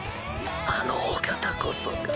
あのお方こそが！